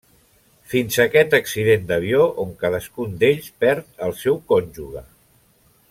Fins a aquest accident d'avió on cadascun d'ells perd el seu cònjuge.